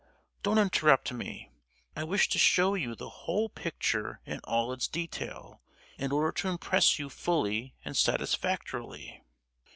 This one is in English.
don't interrupt me! I wish to show you the whole picture in all its detail, in order to impress you fully and satisfactorily.